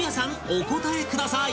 お答えください！